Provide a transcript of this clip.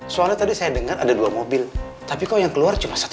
kata kata yang indah